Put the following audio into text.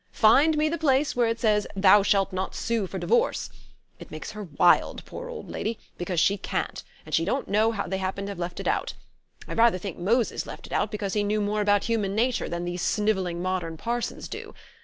Find me the place where it says: 'Thou shalt not sue for divorce.' It makes her wild, poor old lady, because she can't; and she doesn't know how they happen to have left it out.... I rather think Moses left it out because he knew more about human nature than these snivelling modern parsons do.